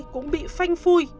cũng bị phanh phui